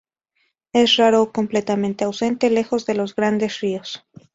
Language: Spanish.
Es raro o completamente ausente lejos de los grandes ríos.